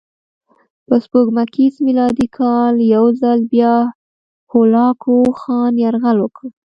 په سپوږمیز میلادي کال یو ځل بیا هولاکوخان یرغل وکړ.